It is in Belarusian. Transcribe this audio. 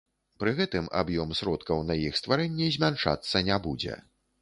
Пры гэтым аб'ём сродкаў на іх стварэнне змяншацца не будзе.